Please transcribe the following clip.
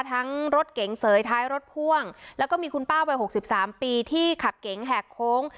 ทั้งรถเก๋งเสยท้ายรถพ่วงแล้วก็มีคุณป้าวัย๖๓ปีที่ขับเก๋งแหกโค้ง